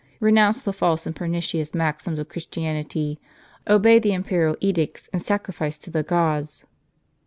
Renounce the false and pernicious maxims of Christianity, obey the imperial edicts, and sacrifice to the gods."